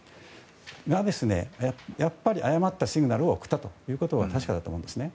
それがやっぱり誤ったシグナルを送ったというのは確かだと思うんです。